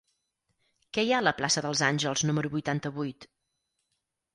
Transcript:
Què hi ha a la plaça dels Àngels número vuitanta-vuit?